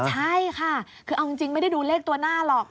ใช่ค่ะคือเอาจริงไม่ได้ดูเลขตัวหน้าหรอก